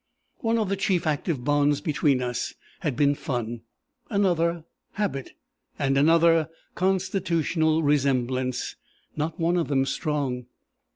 One of the chief active bonds between us had been fun; another, habit; and another, constitutional resemblance not one of them strong.